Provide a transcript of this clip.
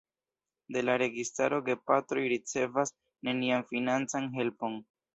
De la registaro gepatroj ricevas nenian financan helpon.